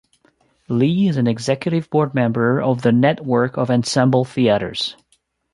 Lee is an executive board member of the Network of Ensemble Theatres.